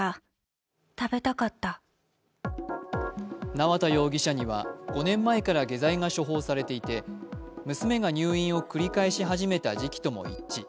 縄田容疑者には５年前から下剤が処方されていて、娘が入院を繰り返し始めた時期とも一致。